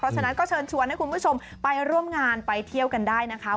ฉะนั้นก็เชิญชวนให้คุณผู้ชมไปร่วมงานไปเที่ยวกันได้นะคะ